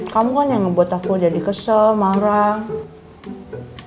kamu kan yang ngebuat aku jadi kesel marah